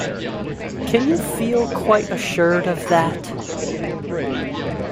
Can you feel quite assured of that?